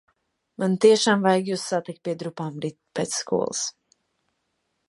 Man tiešām vajag jūs satikt pie drupām rīt pēc skolas.